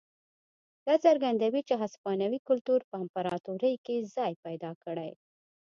دا څرګندوي چې هسپانوي کلتور په امپراتورۍ کې ځای پیدا کړی.